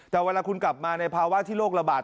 แต่เวลาคุณกลับมาในภาวะที่โรคระบาด